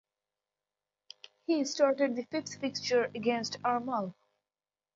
He started the fifth fixture against Armagh.